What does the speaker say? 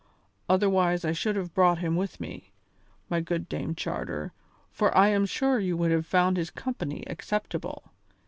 Otherwise I should have brought him with me, my good Dame Charter, for I am sure you would have found his company acceptable.